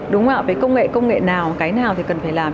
đúng không ạ với công nghệ công nghệ nào cái nào thì cần phải làm